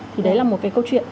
thì đấy là một cái câu chuyện